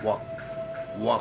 deplasut dibapu dana pala